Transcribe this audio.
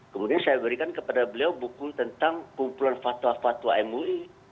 kemudian saya berikan kepada beliau buku tentang kumpulan fatwa fatwa mui